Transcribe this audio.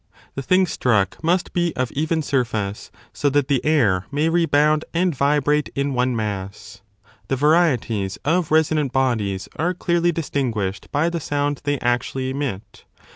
The thing struck must be of even surface, so that the air may rebound and vibrate in one mass. The varieties of resonant bodies are clearly distinguished by the 8 sound they actually emit.